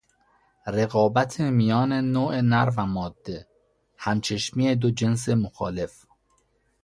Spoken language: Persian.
رقابت میان نوع نر و ماده، هم چشمی دو جنس مخالف